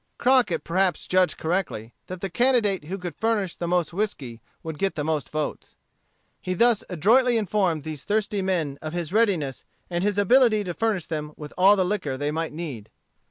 Crockett perhaps judged correctly that the candidate who could furnish the most whiskey would get the most votes. He thus adroitly informed these thirsty men of his readiness and his ability to furnish them with all the liquor they might need.